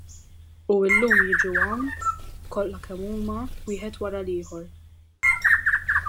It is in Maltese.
U llum jiġu hawn, kollha kemm huma, wieħed wara l-ieħor.